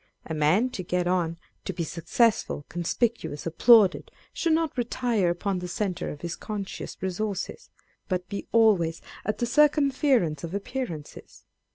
A man, to get on, to be successful, con spicuous, applauded, should not retire upon the centre of his conscious resources, but be always at the circumference of appearances.